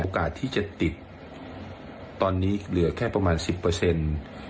ที่จะติดตอนนี้เหลือแค่ประมาณสิบเปอร์เซ็นต์